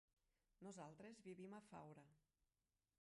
Nosaltres vivim a Faura.